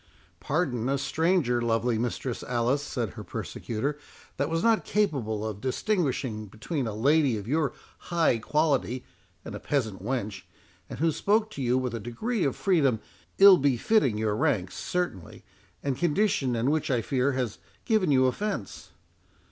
"Pardon a stranger, lovely Mistress Alice," said her persecutor, "that was not capable of distinguishing between a lady of your high quality and a peasant wench, and who spoke to you with a degree of freedom, ill befitting your rank, certainly, and condition, and which, I fear, has given you offence."